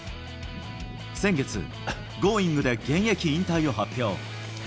先月、Ｇｏｉｎｇ！で現役引退を発表。